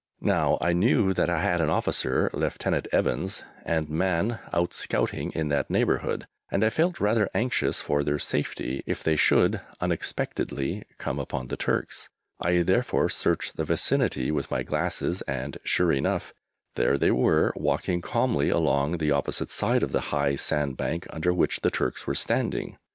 Now I knew that I had an officer (Lieutenant Evans) and man out scouting in that neighbourhood, and I felt rather anxious for their safety if they should, unexpectedly, come upon the Turks. I therefore searched the vicinity with my glasses, and sure enough, there they were walking calmly along on the opposite side of the high sand bank under which the Turks were standing.